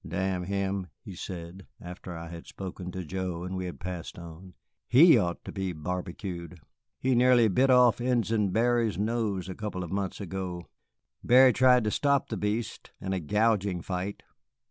"Damn him!" he said, after I had spoken to Joe and we had passed on, "he ought to be barbecued; he nearly bit off Ensign Barry's nose a couple of months ago. Barry tried to stop the beast in a gouging fight."